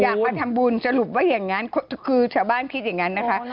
มาทำบุญสรุปว่าอย่างนั้นคือชาวบ้านคิดอย่างนั้นนะคะ